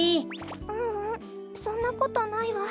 ううんそんなことないわ。